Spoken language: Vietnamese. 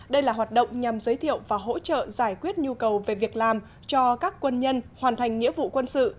đây là hoạt động nhằm giới thiệu và hỗ trợ giải quyết nhu cầu về việc làm cho các quân nhân hoàn thành nghĩa vụ quân sự